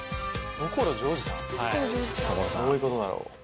どういうことだろう。